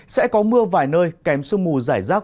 sẽ có mưa vài nơi kèm sương mù giải rác